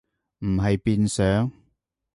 唔係變上？